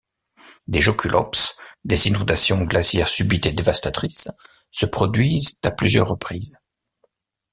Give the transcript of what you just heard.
Des jökulhlaups, des inondations glaciaires subites et dévastatrices, se produisent à plusieurs reprises.